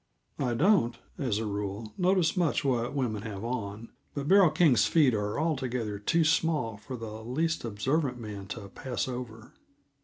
I don't, as a rule, notice much what women have on but Beryl King's feet are altogether too small for the least observant man to pass over.